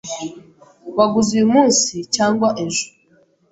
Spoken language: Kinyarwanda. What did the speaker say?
Waguze uyumunsi cyangwa ejo?